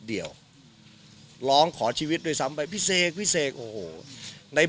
เดียวร้องขอชีวิตด้วยซ้ำไปพี่เสกพี่เสกโอ้โหใน